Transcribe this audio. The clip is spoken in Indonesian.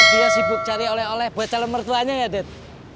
dia sibuk cari oleh oleh buat calon mertuanya ya ded